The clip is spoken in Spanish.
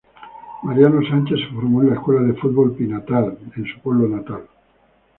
Mariano Sánchez se formó en la Escuela de Fútbol Pinatar, en su pueblo natal.